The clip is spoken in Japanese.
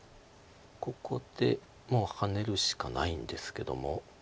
ここでもうハネるしかないんですけども。